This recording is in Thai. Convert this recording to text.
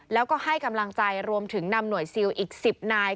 แล้วก็ให้กำลังใจรวมถึงนำหน่วยซิลอีก๑๐นาย